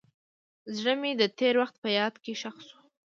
زړه مې د تېر وخت په یاد کې ښخ شو.